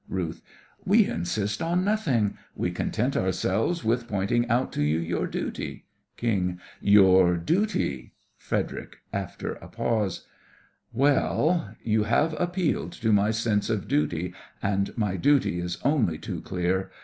RUTH: We insist on nothing; we content ourselves with pointing out to you your duty. KING: Your duty! FREDERIC: (after a pause) Well, you have appealed to my sense of duty, and my duty is only too clear.